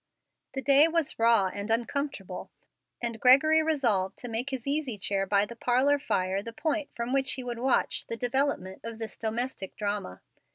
The day was raw and uncomfortable, and Gregory resolved to make his easy chair by the parlor fire the point from which he would watch the development of this domestic drama.